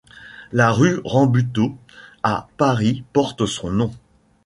La rue Rambuteau à Paris porte son nom.